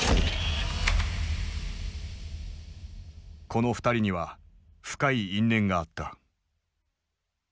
この２人には深い因縁があった。